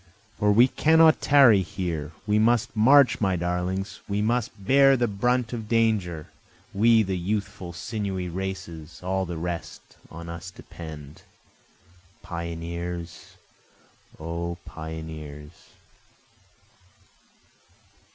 For we cannot tarry here, We must march my darlings, we must bear the brunt of danger, We the youthful sinewy races, all the rest on us depend, Pioneers! O pioneers!